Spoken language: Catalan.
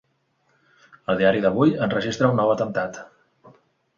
El diari d'avui enregistra un nou atemptat.